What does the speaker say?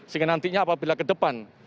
sehingga nantinya apabila ke depan